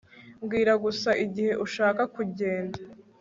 Mbwira gusa igihe ushaka kugenda